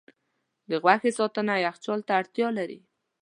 د غوښې ساتنه یخچال ته اړتیا لري.